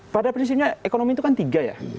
pada prinsipnya ekonomi itu kan tiga ya